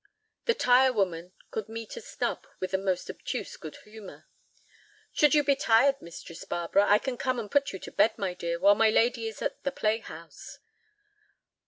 The tire woman could meet a snub with the most obtuse good temper. "Should you be tired, Mistress Barbara, I can come and put you to bed, my dear, while my lady is at the playhouse."